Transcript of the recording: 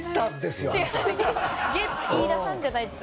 飯田さんじゃないです。